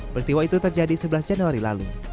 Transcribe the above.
peristiwa itu terjadi sebelas januari lalu